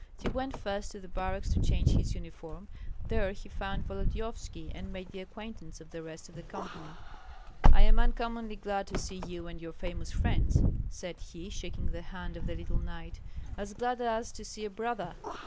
He went first to the barracks to change his uniform; there he found Volodyovski, and made the acquaintance of the rest of the company. "I am uncommonly glad to see you and your famous friends," said he, shaking the hand of the little knight, "as glad as to see a brother!